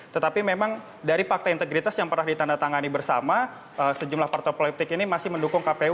tetapi memang dari fakta integritas yang pernah ditandatangani bersama sejumlah partai politik ini masih mendukung kpu